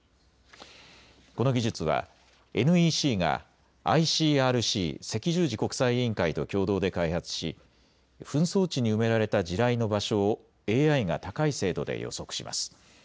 この技術はＮＥＣがＩＣＲＣ・赤十字国際委員会と共同で開発し紛争地に埋められた地雷の場所をＡＩが高い精度で予測します。